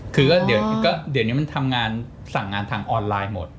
คือก็เดี๋ยวนี้มันทำงานสั่งงานทางออนไลน์หมด